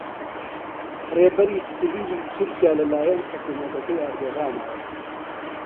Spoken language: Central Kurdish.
ڕێبەری سڤیلی تورکیا لەلایەن حکوومەتەکەی ئەردۆغانەوە